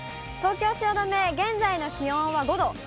東京・汐留、現在の気温は５度。